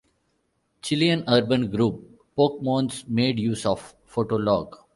Chilean urban group pokemones made use of Fotolog.